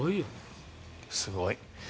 すごい。